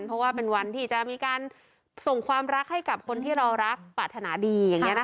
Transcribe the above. เพราะว่าเป็นวันที่จะมีการส่งความรักให้กับคนที่เรารักปรารถนาดีอย่างนี้นะคะ